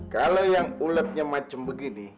kalo yang uletnya macem begini